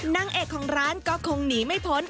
นางเอกของร้านก็คงหนีไม่พ้น